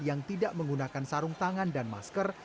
yang tidak menggunakan sarung tangan dan masker